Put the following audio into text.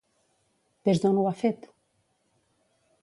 Des d'on ho ha fet?